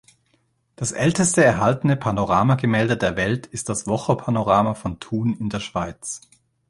Das älteste erhaltene Panorama-Gemälde der Welt ist das Wocher-Panorama von Thun in der Schweiz.